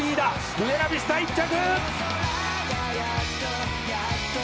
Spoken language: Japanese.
「ブエナビスタ１着！」